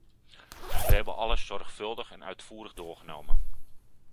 We hebben alles zorgvuldig en uitvoerig doorgenomen.